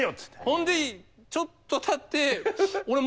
ほんでちょっとたってあれ？